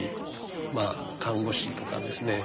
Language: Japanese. まあ看護師とかですね